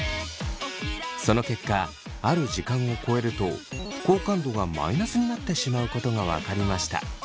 その結果ある時間をこえると好感度がマイナスになってしまうことが分かりました。